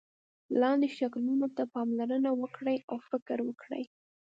لاندې شکلونو ته پاملرنه وکړئ او فکر وکړئ.